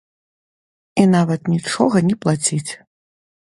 І нават нічога не плаціць.